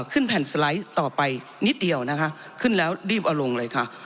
ขึ้นแผ่นสไลด์ต่อไปนิดเดียวนะคะขึ้นแล้วรีบเอาลงเลยค่ะ